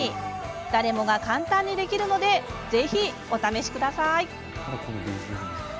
誰もが簡単にできるのでぜひ、お試しください。